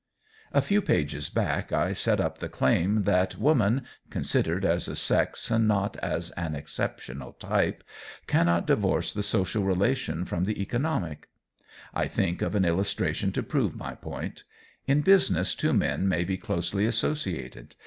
A few pages back I set up the claim that woman, considered as a sex and not as an exceptional type, cannot divorce the social relation from the economic. I think of an illustration to prove my point: In business two men may be closely associated.